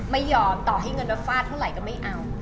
ไม่ยอมต่อให้เงินแล้วฟาดเท่าไหร่ก็ไม่เอา